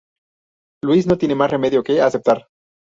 Luis no tiene más remedio que aceptar.